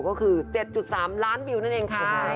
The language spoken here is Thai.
ก็คือ๗๓ล้านวิวนั่นเองค่ะ